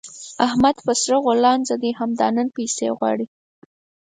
احمد په سره غولانځ دی؛ همدا نن پيسې غواړي.